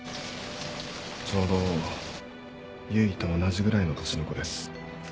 ちょうど唯と同じぐらいの年の子です。